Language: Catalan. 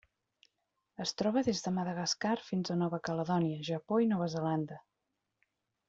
Es troba des de Madagascar fins a Nova Caledònia, Japó i Nova Zelanda.